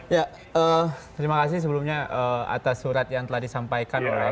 ya terima kasih sebelumnya atas surat yang telah disampaikan oleh